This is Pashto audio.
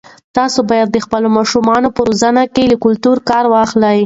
تاسي باید د خپلو ماشومانو په روزنه کې له کلتور کار واخلئ.